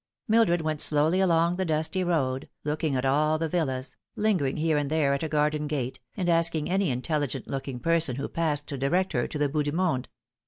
Mildred went slowly along the dosty road, looking at all the villas, lingering here and there at a garden gate, and asking any intelligent looking person who passed to direct her to the Bout du Monde.